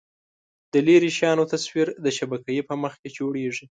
د لیرې شیانو تصویر د شبکیې په مخ کې جوړېږي.